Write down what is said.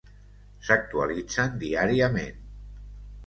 S'actualitzen diàriament.